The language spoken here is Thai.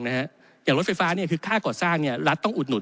อย่างรถไฟฟ้าคือค่าก่อสร้างรัฐต้องอุดหนุ